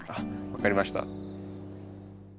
分かりました。